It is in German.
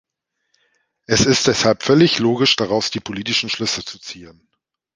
Es ist deshalb völlig logisch, daraus die politischen Schlüsse zu ziehen.